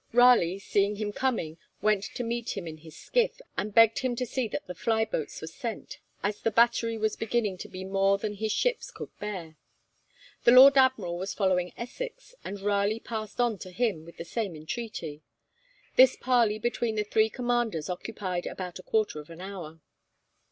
Raleigh, seeing him coming, went to meet him in his skiff, and begged him to see that the fly boats were sent, as the battery was beginning to be more than his ships could bear. The Lord Admiral was following Essex, and Raleigh passed on to him with the same entreaty. This parley between the three commanders occupied about a quarter of an hour.